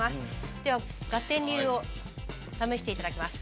ではガッテン流を試して頂きます。